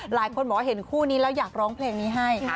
หลายคนบอกว่าเห็นคู่นี้แล้วอยากร้องเพลงนี้ให้